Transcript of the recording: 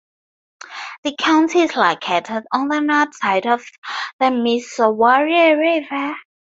The county is located on the north side of the Missouri River.